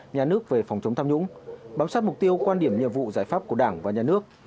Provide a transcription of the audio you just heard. nhà nước về phòng chống tham nhũng bám sát mục tiêu quan điểm nhiệm vụ giải pháp của đảng và nhà nước